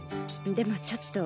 でもちょっと。